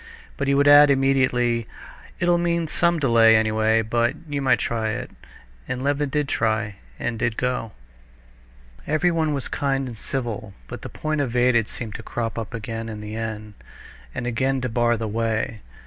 But he would add immediately, "It'll mean some delay, anyway, but you might try it." And Levin did try, and did go. Everyone was kind and civil, but the point evaded seemed to crop up again in the end, and again to bar the way.